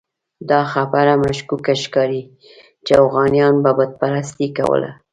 دا خبره مشکوکه ښکاري چې اوغانیانو به بت پرستي کوله.